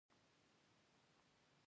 د هغې ځای هېڅوک هم نشي نیولی.